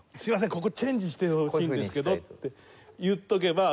ここチェンジしてほしいんですけど」って言っておけばあそこ。